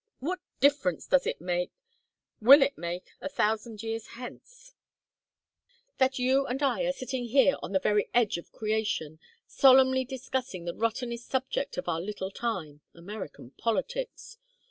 What difference does it make will it make a thousand years hence that you and I are sitting here on the very edge of creation, solemnly discussing the rottenest subject of our little time American politics?